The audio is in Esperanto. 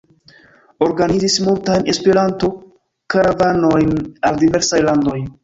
Organizis multajn Esperanto-karavanojn al diversaj landoj.